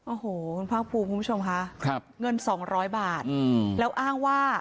โอ้โหคุณภาคภูมิคุณผู้ชมค่ะครับเงิน๒๐๐บาทแล้วอ้างว่า